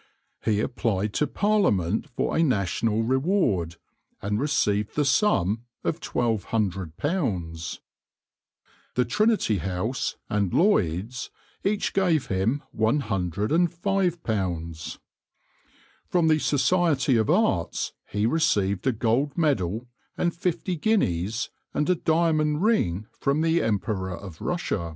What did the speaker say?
He applied to Parliament for a national reward, and received the sum of £1200. The Trinity House and Lloyd's each gave him £105. From the Society of Arts he received a gold medal and fifty guineas, and a diamond ring from the Emperor of Russia.